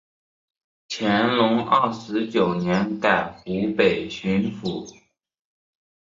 乾隆二十九年改湖北巡抚。